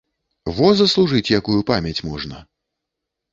Во заслужыць якую памяць можна!